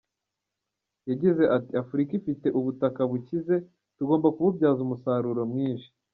Yagize ati “Afurika ifite ubutaka bukize, tugomba kububyaza umusaruro mwinshi.